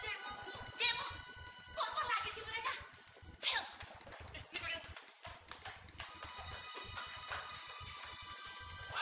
ibu buat apa lagi sih ibu saja